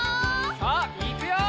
さあいくよ！